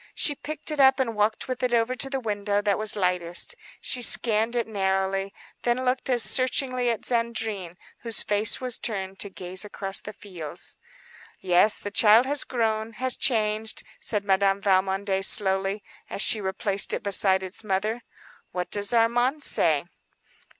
She lifted it and walked with it over to the window that was lightest. She scanned the baby narrowly, then looked as searchingly at Zandrine, whose face was turned to gaze across the fields. "Yes, the child has grown, has changed," said Madame Valmondé, slowly, as she replaced it beside its mother. "What does Armand say?"